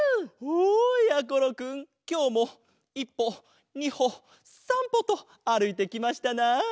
きょうも１ぽ２ほ３ぽとあるいてきましたな。